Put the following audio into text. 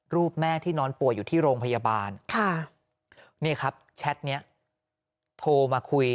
แม่ที่นอนป่วยอยู่ที่โรงพยาบาลค่ะนี่ครับแชทนี้โทรมาคุย